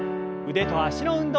腕と脚の運動。